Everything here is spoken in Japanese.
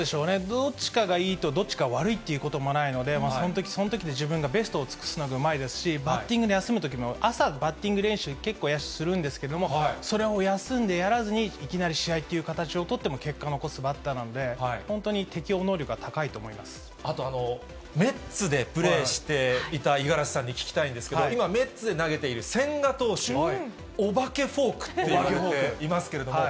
どっちかがいいと、どっちが悪いということもないので、そのときそのときで自分がベストを尽くすのがうまいですし、バッティングで休むときも、朝、バッティング練習、結構するんですけども、それを休んでやらずに、いきなり試合という形をとっても結果残すバッターなので、あと、メッツでプレーしていた五十嵐さんに聞きたいんですけれども、今、メッツで投げている千賀投手、お化けフォークって言われていますけれども。